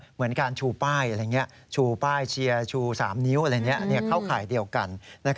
เหมือนการชูป้ายเชียร์ชู๓นิ้วเข้าข่ายเดียวกัน